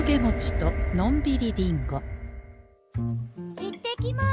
行ってきます！